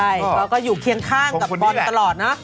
ใช่เขาก็อยู่เคียงข้างกับบอลตลอดเนอะ